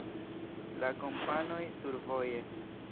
La Kompanoj: Survoje.